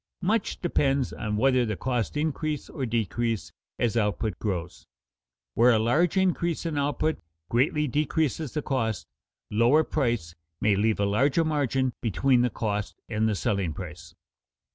Much depends on whether the costs increase or decrease as output grows. Where a large increase in output greatly decreases the cost, lower price may leave a larger margin between the cost and the selling price.